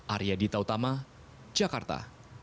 arya dita utama jakarta